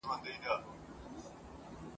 امریکا ته راوستل سوي وه ..